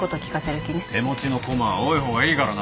手持ちの駒は多いほうがいいからな。